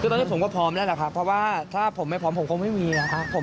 คือตอนนี้ผมก็พร้อมแล้วแหละครับเพราะว่าถ้าผมไม่พร้อมผมคงไม่มีนะครับผม